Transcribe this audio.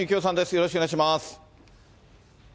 よろしくお願いします。